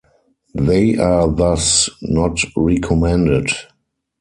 They are thus not recommended.